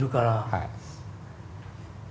はい。